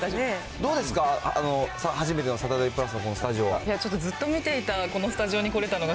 どうですか、初めてのサタデープラスのこのスタジオは。